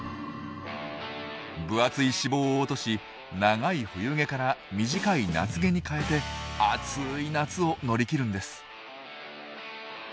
分厚い脂肪を落とし長い冬毛から短い夏毛に換えて暑い夏を乗り切るんです。